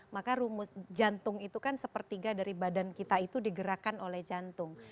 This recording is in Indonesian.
maka rumus jantung itu kan sepertiga dari badan kita itu digerakkan oleh jantung